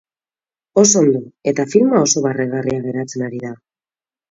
Oso ondo, eta filma oso barregarria geratzen ari da.